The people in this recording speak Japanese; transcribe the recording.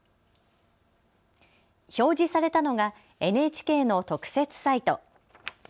表示されたのがＮＨＫの特設サイト。